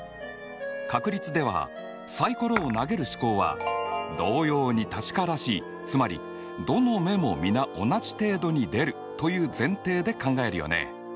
確率ではサイコロを投げる試行はつまりどの目も皆同じ程度に出るという前提で考えるよね。